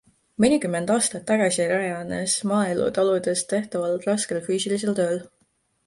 Mõnikümmend aastat tagasi rajanes maaelu taludes tehtaval raskel füüsilisel tööl.